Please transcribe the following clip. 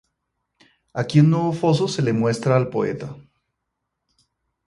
Aquí un nuevo foso se le muestra al poeta.